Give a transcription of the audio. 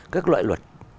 các loại luật